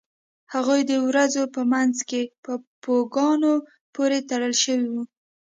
هغه د ورېځو په مینځ کې په پوکاڼو پورې تړل شوی و